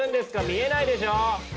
見えないでしょ！